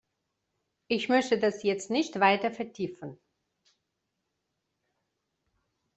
Ich möchte das jetzt nicht weiter vertiefen.